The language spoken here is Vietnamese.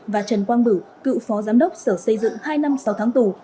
và trần quang bửu cựu phó giám đốc sở xây dựng hai năm sáu tháng tù